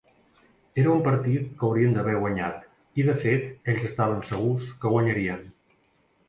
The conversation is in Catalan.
Era un partit que haurien d'haver guanyat, i de fet ells estaven segurs que guanyarien.